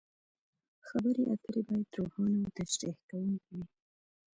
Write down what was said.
خبرې اترې باید روښانه او تشریح کوونکې وي.